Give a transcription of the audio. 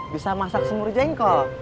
bisa masak semur jengkol